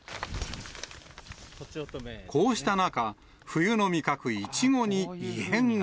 こうした中、冬の味覚、いちごに異変が。